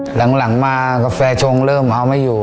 หลังมากาแฟชงเริ่มเอาไม่อยู่